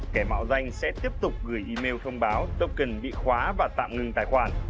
kẻ mạo danh sẽ tiếp tục gửi email thông báo token bị khóa và tạm ngừng tài khoản